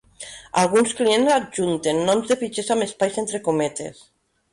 Alguns clients adjunten noms de fitxers amb espais entre cometes.